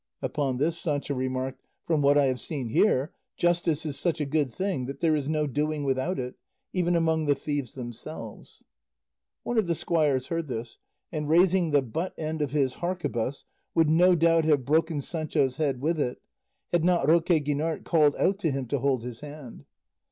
Upon this Sancho remarked, "From what I have seen here, justice is such a good thing that there is no doing without it, even among the thieves themselves." One of the squires heard this, and raising the butt end of his harquebuss would no doubt have broken Sancho's head with it had not Roque Guinart called out to him to hold his hand.